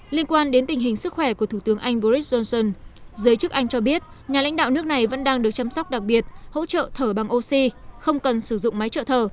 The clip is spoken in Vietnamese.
liên quan đến tình hình sức khỏe của thủ tướng anh boris johnson giới chức anh cho biết nhà lãnh đạo nước này vẫn đang được chăm sóc đặc biệt hỗ trợ thở bằng oxy không cần sử dụng máy trợ thở